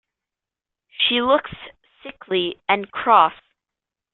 She looks sickly and cross.